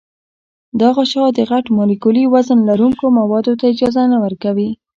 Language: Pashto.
دا غشا د غټ مالیکولي وزن لرونکو موادو ته اجازه نه ورکوي.